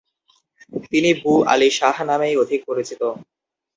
তিনি বু আলী শাহ নামেই অধিক পরিচিত।